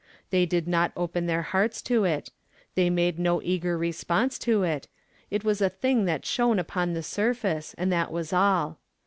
They did not open their hearts to it; they made no eager response to it; it was a thing that shone upon the surface, and that was all.